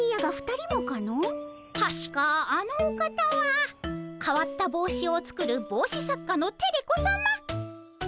たしかあのお方はかわった帽子を作る帽子作家のテレ子さま。